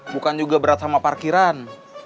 bukan juga berat sama parkiran